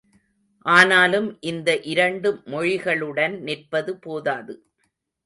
ஆனாலும் இந்த இரண்டு மொழிகளுடன் நிற்பது போதாது.